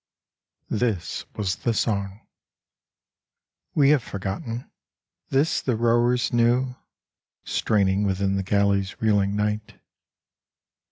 XXXVI This was the Song We have forgotten. This the rowers knew, Straining within the galleys' reeling night.